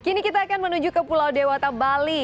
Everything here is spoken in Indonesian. kini kita akan menuju ke pulau dewata bali